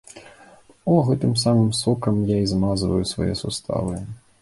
От гэтым самым сокам я і змазваю свае суставы.